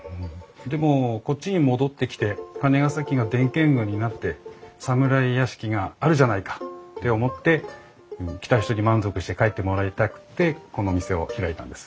でもこっちに戻ってきて金ケ崎が伝建群になって侍屋敷があるじゃないかって思って来た人に満足して帰ってもらいたくってこの店を開いたんです。